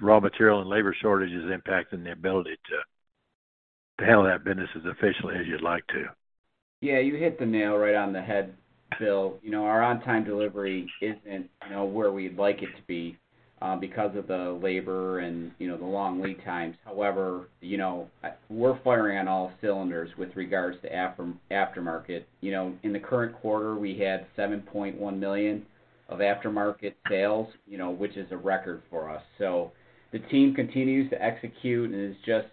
raw material and labor shortages impacting the ability to handle that business as efficiently as you'd like to? Yeah, you hit the nail right on the head, Bill. You know, our on-time delivery isn't, you know, where we'd like it to be, because of the labor and, you know, the long lead times. You know, we're firing on all cylinders with regards to aftermarket. You know, in the current quarter, we had $7.1 million of aftermarket sales, you know, which is a record for us. The team continues to execute and is just,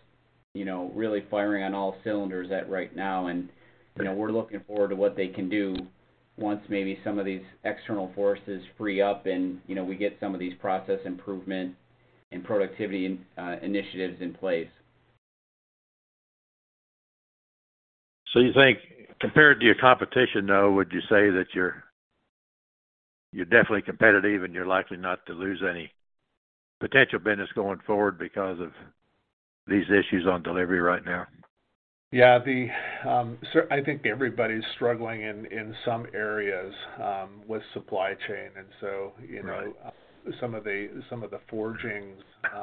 you know, really firing on all cylinders at right now. You know, we're looking forward to what they can do once maybe some of these external forces free up and, you know, we get some of these process improvement and productivity initiatives in place. You think, compared to your competition, though, would you say that you're definitely competitive, and you're likely not to lose any potential business going forward because of these issues on delivery right now? Yeah, the, I think everybody's struggling in some areas, with supply chain. you know. Right some of the forgings, a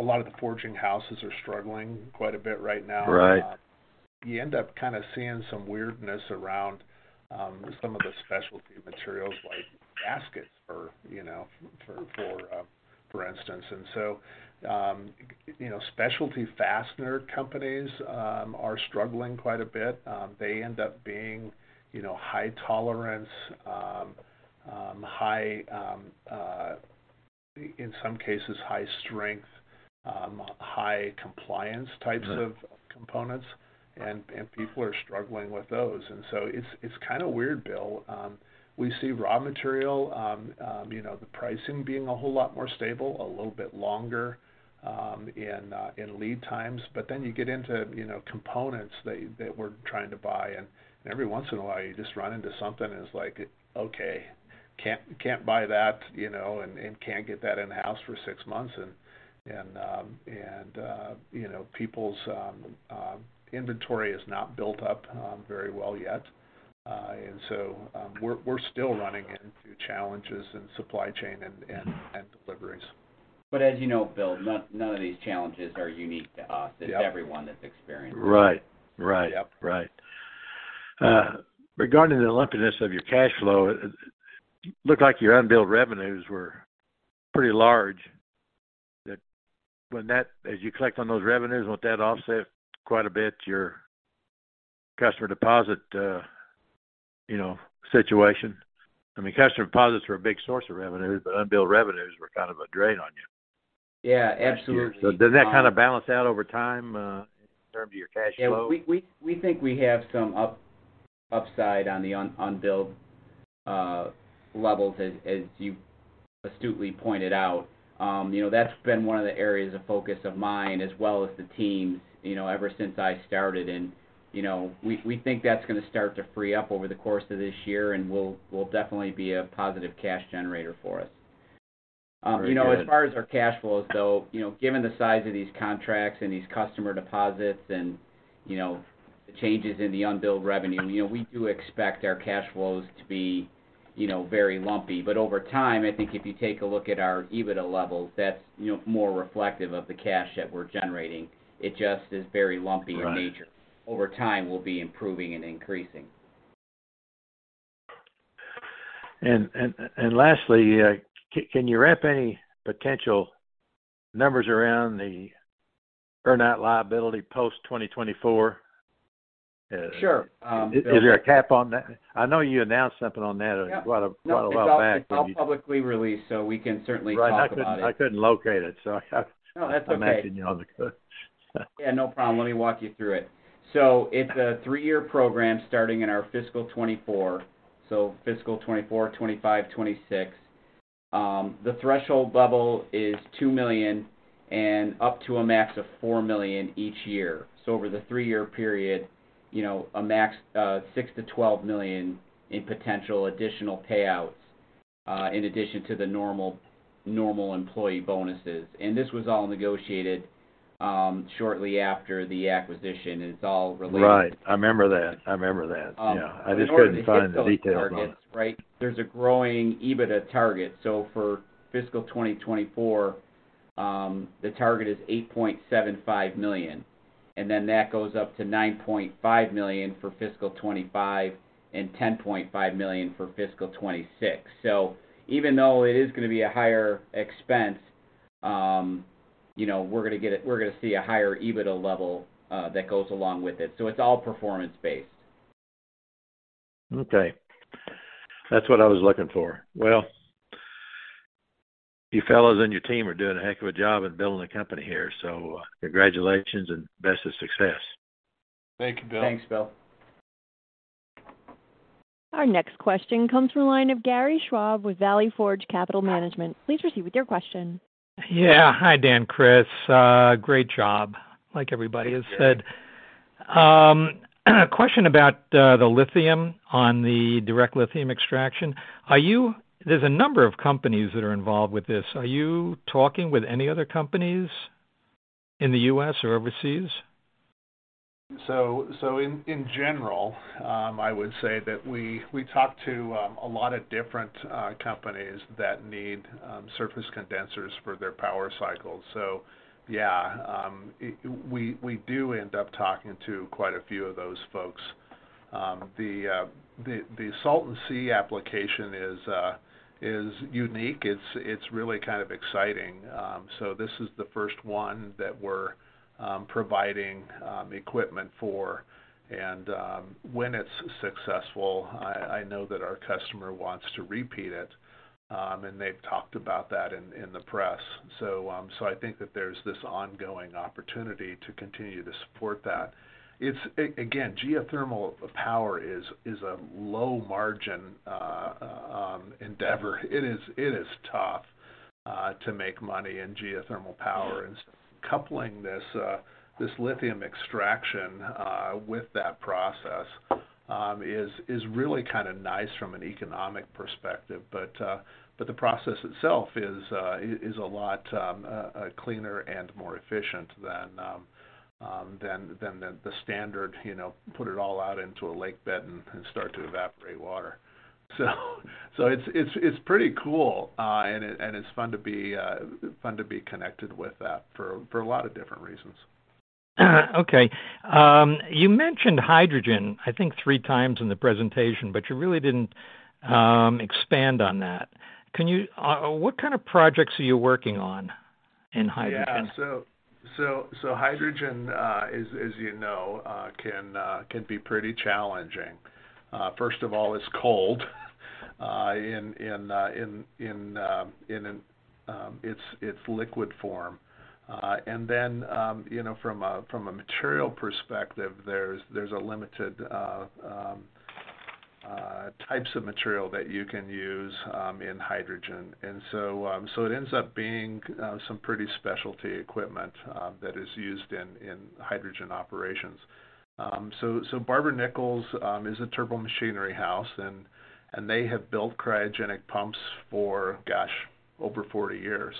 lot of the forging houses are struggling quite a bit right now. Right. You end up kind of seeing some weirdness around some of the specialty materials, like gaskets for, you know, for instance. Specialty fastener companies are struggling quite a bit. They end up being, you know, high tolerance, high, in some cases, high strength, high compliance types. Right of components, and people are struggling with those. It's kind of weird, Bill. We see raw material, you know, the pricing being a whole lot more stable, a little bit longer, in lead times. You get into, you know, components that you, that we're trying to buy, and every once in a while, you just run into something, and it's like: Okay, can't buy that, you know, and can't get that in-house for six months. You know, people's inventory is not built up very well yet. We're still running into challenges in supply chain and deliveries. As you know, Bill, none of these challenges are unique to us. Yep. It's everyone that's experiencing it. Right. Right. Yep. Right. Regarding the lumpiness of your cash flow, it looked like your unbilled revenues were pretty large, as you collect on those revenues, won't that offset quite a bit your customer deposit, you know, situation? I mean, customer deposits were a big source of revenues, but unbilled revenues were kind of a drain on you. Yeah, absolutely. Does that kind of balance out over time, in terms of your cash flow? Yeah, we think we have some upside on the unbilled levels, as you astutely pointed out. You know, that's been one of the areas of focus of mine, as well as the team's, you know, ever since I started. You know, we think that's going to start to free up over the course of this year, and will definitely be a positive cash generator for us. Very good. you know, as far as our cash flows, though, you know, given the size of these contracts and these customer deposits and, you know, the changes in the unbilled revenue, you know, we do expect our cash flows to be, you know, very lumpy. Over time, I think if you take a look at our EBITDA levels, that's, you know, more reflective of the cash that we're generating. It just is very lumpy in nature. Right. Over time, we'll be improving and increasing. Lastly, can you rep any potential numbers around the earn-out liability post-2024? Sure, Bill. Is there a cap on that? I know you announced something on that- Yeah quite a while back. It's all publicly released, so we can certainly talk about it. Right. I couldn't locate it, so I. No, that's okay. I'm asking you on the call. Yeah, no problem. Let me walk you through it. It's a 3-year program starting in our fiscal 2024, so fiscal 2024, 2025, 2026. The threshold level is $2 million and up to a max of $4 million each year. Over the 3-year period, you know, a max $6 million-$12 million in potential additional payouts, in addition to the normal employee bonuses. This was all negotiated, shortly after the acquisition, and it's all related- Right. I remember that. I remember that. Um- Yeah. I just couldn't find the details on it. In order to hit those targets, right, there's a growing EBITDA target. For fiscal 2024, the target is $8.75 million. That goes up to $9.5 million for fiscal 2025, and $10.5 million for fiscal 2026. Even though it is going to be a higher expense, you know, we're going to see a higher EBITDA level, that goes along with it. It's all performance-based. Okay. That's what I was looking for. Well, you fellows and your team are doing a heck of a job in building the company here. Congratulations and best of success. Thank you, Bill. Thanks, Bill. Our next question comes from the line of Gary Schwab with Valley Forge Capital Management. Please proceed with your question. Yeah. Hi, Dan, Chris. Great job, like everybody has said. A question about the lithium on the direct lithium extraction. There's a number of companies that are involved with this. Are you talking with any other companies in the U.S. or overseas? In general, I would say that we talk to a lot of different companies that need surface condensers for their power cycle. Yeah, we do end up talking to quite a few of those folks. The Salton Sea application is unique. It's really kind of exciting. This is the first one that we're providing equipment for. And when it's successful, I know that our customer wants to repeat it, and they've talked about that in the press. I think that there's this ongoing opportunity to continue to support that. It's. Again, geothermal power is a low-margin endeavor. It is tough to make money in geothermal power. Coupling this lithium extraction, with that process, is really kind of nice from an economic perspective. The process itself is a lot cleaner and more efficient than the standard, you know, put it all out into a lake bed and start to evaporate water. It's pretty cool. It's fun to be connected with that for a lot of different reasons. Okay. You mentioned hydrogen, I think, three times in the presentation, but you really didn't expand on that. What kind of projects are you working on in hydrogen? Hydrogen, as you know, can be pretty challenging. First of all, it's cold in its liquid form. Then, you know, from a material perspective, there's a limited types of material that you can use in hydrogen. It ends up being some pretty specialty equipment that is used in hydrogen operations. Barber-Nichols is a turbomachinery house, and they have built cryogenic pumps for, gosh, over 40 years.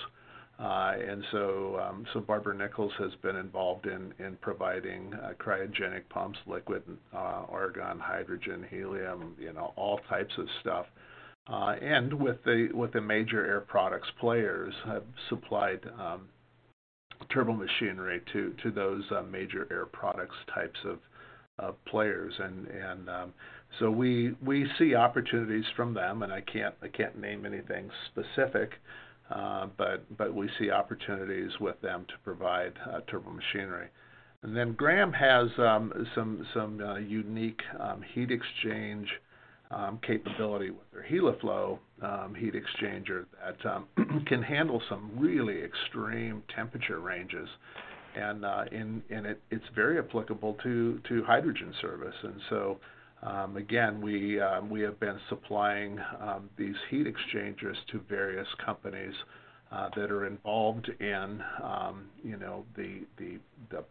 Barber-Nichols has been involved in providing cryogenic pumps, liquid argon, hydrogen, helium, you know, all types of stuff. With the major air products, players have supplied turbo machinery to those major air products types of players. We see opportunities from them, and I can't name anything specific, but we see opportunities with them to provide turbo machinery. Graham has some unique heat exchange capability with their Heliflow heat exchanger that can handle some really extreme temperature ranges. It's very applicable to hydrogen service. Again, we have been supplying these heat exchangers to various companies that are involved in, you know, the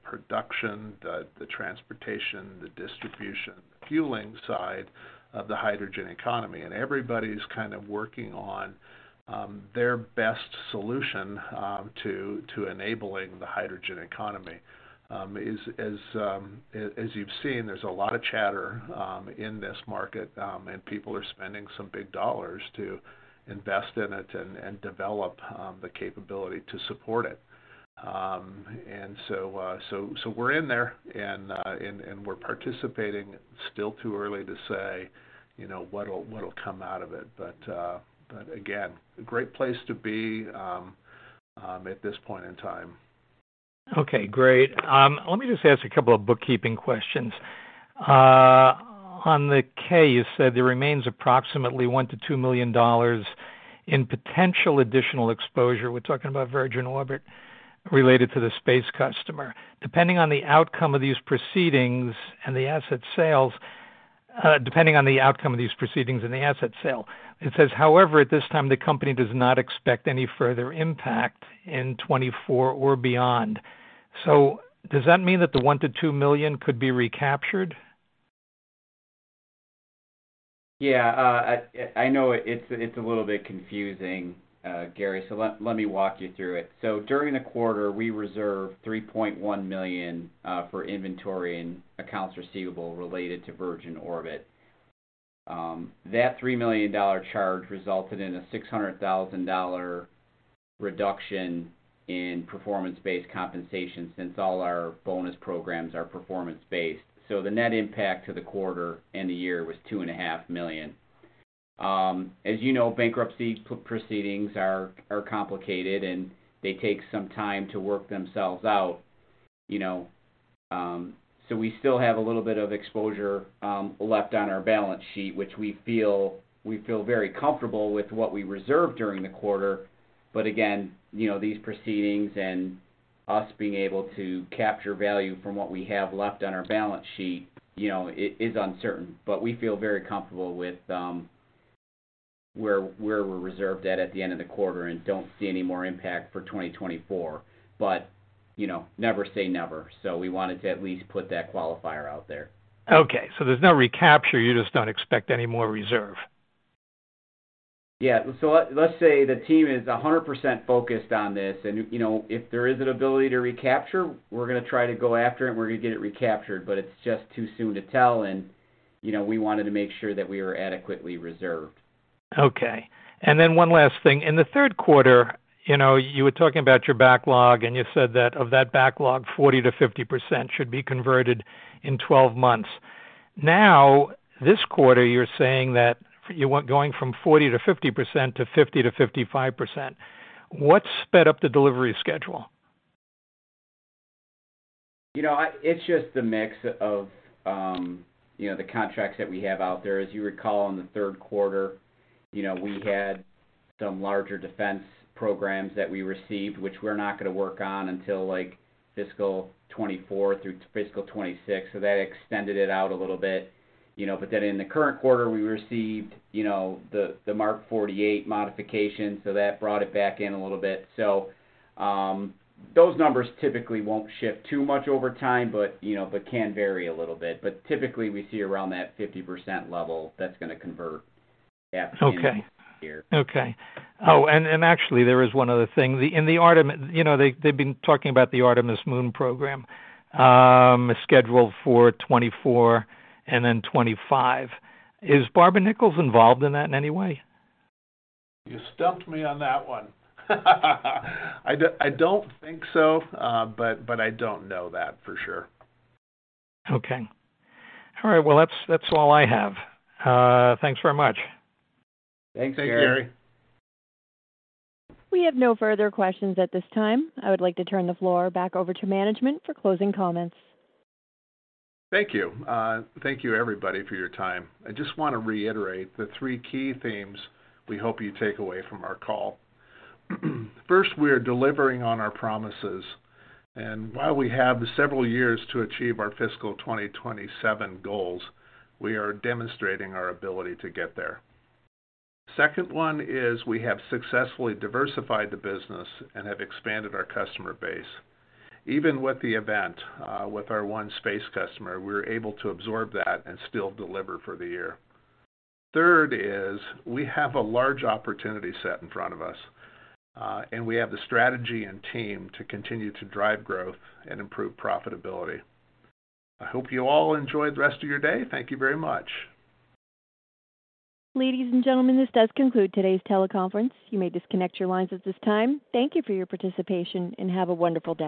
production, the transportation, the distribution, the fueling side of the hydrogen economy. Everybody's kind of working on their best solution to enabling the hydrogen economy. As you've seen, there's a lot of chatter in this market, and people are spending some big dollars to invest in it and develop the capability to support it. We're in there, and we're participating. Still too early to say, you know, what'll come out of it, but again, a great place to be at this point in time. Okay, great. Let me just ask a couple of bookkeeping questions. On the K, you said there remains approximately $1 million-$2 million in potential additional exposure. We're talking about Virgin Orbit, related to the space customer. Depending on the outcome of these proceedings and the asset sales, depending on the outcome of these proceedings and the asset sale, it says, "However, at this time, the company does not expect any further impact in 2024 or beyond." Does that mean that the $1 million-$2 million could be recaptured? I know it's a little bit confusing, Gary, let me walk you through it. During the quarter, we reserved $3.1 million for inventory and accounts receivable related to Virgin Orbit. That $3 million charge resulted in a $600,000 reduction in performance-based compensation, since all our bonus programs are performance-based. The net impact to the quarter and the year was $2.5 million. As you know, bankruptcy proceedings are complicated, and they take some time to work themselves out, you know? We still have a little bit of exposure left on our balance sheet, which we feel very comfortable with what we reserved during the quarter. Again, you know, these proceedings and us being able to capture value from what we have left on our balance sheet, you know, it is uncertain. We feel very comfortable with where we're reserved at the end of the quarter and don't see any more impact for 2024. You know, never say never. We wanted to at least put that qualifier out there. Okay. There's no recapture. You just don't expect any more reserve? Yeah. Let's say the team is 100% focused on this and, you know, if there is an ability to recapture, we're gonna try to go after it, and we're gonna get it recaptured, but it's just too soon to tell. You know, we wanted to make sure that we were adequately reserved. Okay. One last thing. In the third quarter, you know, you were talking about your backlog, and you said that of that backlog, 40%-50% should be converted in 12 months. This quarter, you're saying that going from 40%-50% to 50%-55%. What sped up the delivery schedule? You know, it's just the mix of, you know, the contracts that we have out there. As you recall, in the third quarter, you know, we had some larger defense programs that we received, which we're not gonna work on until, like, fiscal 2024 through fiscal 2026. That extended it out a little bit, you know. In the current quarter, we received, you know, the Mark 48 modification, so that brought it back in a little bit. Those numbers typically won't shift too much over time, but, you know, but can vary a little bit. Typically, we see around that 50% level that's gonna convert. Okay. -year. Okay. Actually, there is one other thing. In the Artemis, you know, they've been talking about the Artemis Moon program, scheduled for 2024 and then 2025. Is Barber-Nichols involved in that in any way? You stumped me on that one. I do, I don't think so, but I don't know that for sure. Okay. All right, well, that's all I have. Thanks very much. Thanks, Gary. Thanks, Gary. We have no further questions at this time. I would like to turn the floor back over to management for closing comments. Thank you. Thank you, everybody, for your time. I just want to reiterate the three key themes we hope you take away from our call. First, we are delivering on our promises, and while we have several years to achieve our fiscal 2027 goals, we are demonstrating our ability to get there. Second one is we have successfully diversified the business and have expanded our customer base. Even with the event, with our one space customer, we're able to absorb that and still deliver for the year. Third is, we have a large opportunity set in front of us, and we have the strategy and team to continue to drive growth and improve profitability. I hope you all enjoy the rest of your day. Thank you very much. Ladies and gentlemen, this does conclude today's teleconference. You may disconnect your lines at this time. Thank you for your participation, and have a wonderful day.